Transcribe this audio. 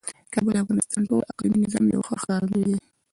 کابل د افغانستان د ټول اقلیمي نظام یو ښه ښکارندوی دی.